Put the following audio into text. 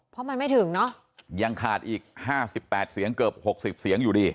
เพราะมันไม่ถึงเนอะยังขาดอีก๕๘เสียงเกือบ๖๐เสียงอยู่ดี